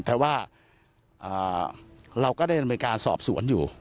แต่ว่าเราก็ได้การสอบสวนอยู่